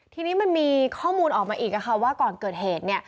ทีนี้มันมีข้อมูลออกมาอีกว่าก่อนเกิดเหตุ